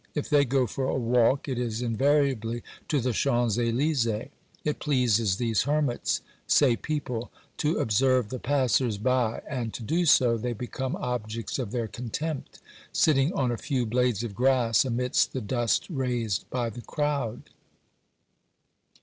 If they go for a walk, it is invariably to the Champs ^lyse'es; it pleases these hermits, say people, to observe the passers by, and, to do so, they become objects of their contempt, sitting on a few blades of grass amidst the OBERMANN 69 dust raised by the crowd.